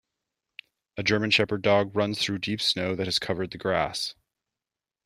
A Germanshepherd dog runs through deep snow that has covered the grass.